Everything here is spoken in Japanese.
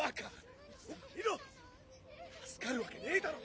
（通行助かるわけねぇだろ！